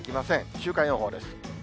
週間予報です。